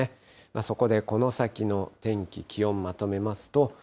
そこでこの先の天気、気温、まとめますと。